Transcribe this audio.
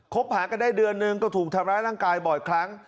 หากันได้เดือนนึงก็ถูกทำร้ายร่างกายบ่อยครั้ง